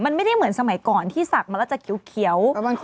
มันไม่ได้เหมือนสมัยก่อนที่ศักดิ์มาแล้วจะเขียว